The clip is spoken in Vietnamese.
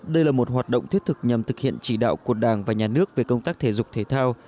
đây là một hoạt động thiết thực nhằm thực hiện chỉ đạo của đảng và nhà nước về công tác thể dục thể thao